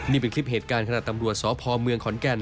นี่เป็นคลิปเหตุการณ์ขณะตำรวจสพเมืองขอนแก่น